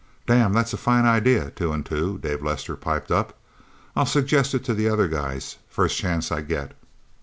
"Damn that's a fine idea, Two and Two!" David Lester piped up. "I'll suggest it to the other guys, first chance I get...!"